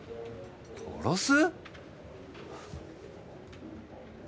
殺す！？